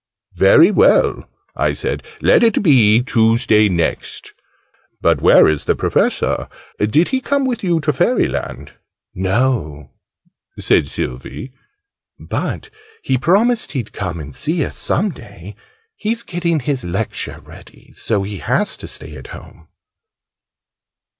"Very well," I said: "let it be Tuesday next. But where is the Professor? Did he come with you to Fairyland?" "No," said Sylvie. "But he promised he'd come and see us, some day. He's getting his Lecture ready. So he has to stay at home."